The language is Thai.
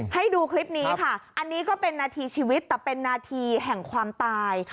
ให้ดูคลิปนี้ค่ะอันนี้ก็เป็นนาทีชีวิตแต่เป็นนาทีแห่งความตาย